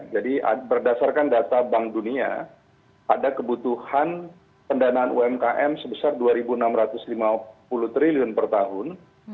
jadi berdasarkan data bank dunia ada kebutuhan pendanaan umkm sebesar rp dua enam ratus lima puluh triliun per tahun